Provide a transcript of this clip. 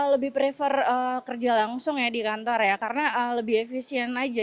lebih prefer kerja langsung di kantor karena lebih efisien saja